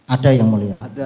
ada yang mulia